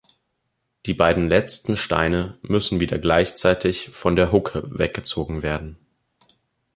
Die beiden letzten Steine müssen wieder gleichzeitig von der Hucke weggezogen werden.